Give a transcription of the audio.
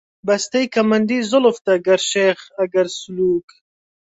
بەستەی کەمەندی زوڵفتە، گەر شێخ، ئەگەر سولووک